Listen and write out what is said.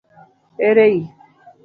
Ere i?